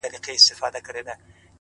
اوس له كندهاره روانـېـــږمه.!